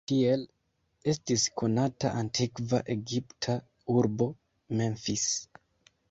Tiel estis konata antikva egipta urbo "Memphis".